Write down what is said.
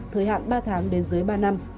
thời hạn ba tháng đến dưới ba năm